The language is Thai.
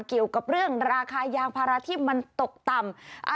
เกี่ยวกับเรื่องราคายางภาระที่มันตกต่ำ